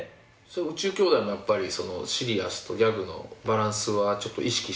『宇宙兄弟』もやっぱりシリアスとギャグのバランスは意識してるんですか？